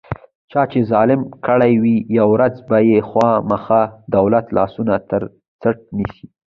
چا چې ظلم کړی وي، یوه ورځ به یې خوامخا دولت لاسونه ترڅټ نیسي.